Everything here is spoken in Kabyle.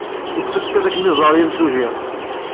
Yessefk ad kem-iẓer yemsujji.